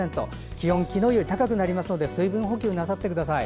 気温、昨日より高くなるので水分補給なさってください。